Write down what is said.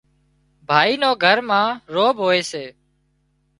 ڀائي نو گھر ما روڀ هوئي سي